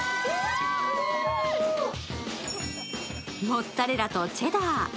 モッツァレラとチェダー。